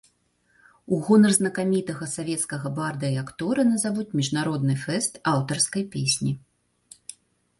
У гонар знакамітага савецкага барда і актора назавуць міжнародны фэст аўтарскай песні.